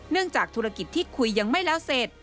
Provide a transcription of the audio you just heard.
จากธุรกิจที่คุยยังไม่แล้วเสร็จ